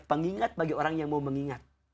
pengingat bagi orang yang mau mengingat